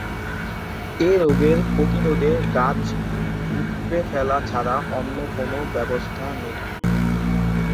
এ রোগের প্রতিরোধে গাছ উপড়ে ফেলা ছাড়া অন্য কোনো ব্যবস্থা নেই।